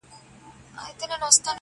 تیاري رخصتوم دي رباتونه رڼاکیږي!.